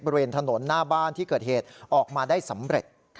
บริเวณถนนหน้าบ้านที่เกิดเหตุออกมาได้สำเร็จ